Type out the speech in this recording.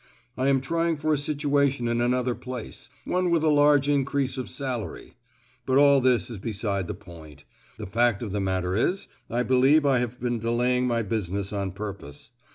I am trying for a situation in another place—one with a large increase of salary; but all this is beside the point; the fact of the matter is, I believe I have been delaying my business on purpose.